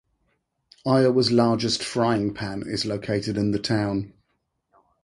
Iowa's Largest Frying Pan is located in the town.